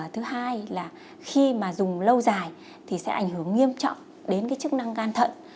thứ hai là khi mà dùng lâu dài thì sẽ ảnh hưởng nghiêm trọng đến cái chức năng gan thận